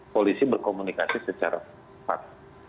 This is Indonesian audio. polisi berkomunikasi secara privat